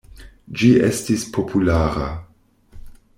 Ĝi estis populara.